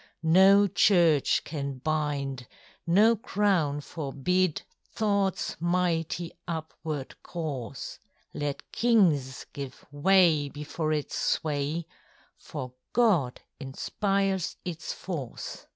No church can bind, no crown forbid ThoughtŌĆÖs mighty upward courseŌĆö Let kings give way before its sway, For God inspires its force.